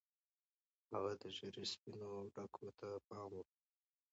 هغه د ږیرې سپینو ډکو ته پام وکړ.